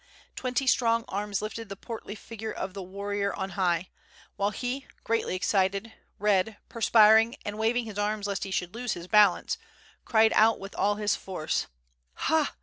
Twenty strong arms lifted the portly figure of the warrior on high; while he, greatly excited, red, perspiring and waving his arms lest he should lose his balance, cried out with all his force: "Ha!